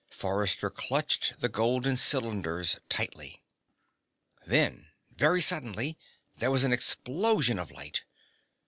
Forrester clutched the golden cylinders tightly. Then, very suddenly, there was an explosion of light.